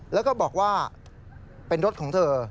แล้วก็บอกว่าเป็นรถของเธอ